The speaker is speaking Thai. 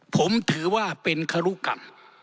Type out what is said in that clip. ผมถือว่าเป็นครุกรรม